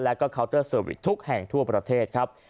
แล้วก็เคาน์เตอร์เซอร์วิสทุกแห่งทั่วประเทศครับ